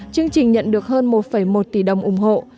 chương trình nhận được hơn một một tỷ đồng ủng hộ